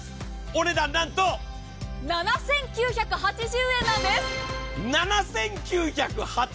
お値段、なんと７９８０円なんですよ。